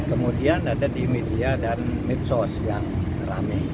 kemudian ada di media dan medsos yang rame